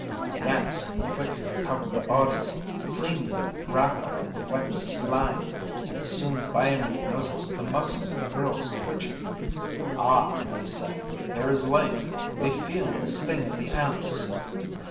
The ants quickly covered the bodies, cleaned them rapidly of the wet slime, and soon Byamee noticed the muscles of the girls twitching. "Ah," he said, "there is life, they feel the sting of the ants."